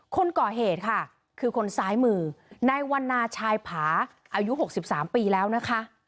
คนก่อเหตุค่ะคือคนซ้ายมือในวันนาชายผาอายุ๖๓ปีแล้วนะคะ